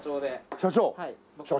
社長。